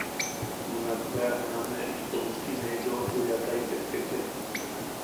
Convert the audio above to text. Junak bea juname into juchi ne yoʼoturiataitek ketchia.